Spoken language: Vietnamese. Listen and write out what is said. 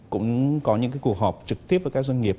cũng có những cái cuộc họp trực tiếp với các doanh nghiệp